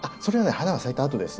花が咲いたあとです。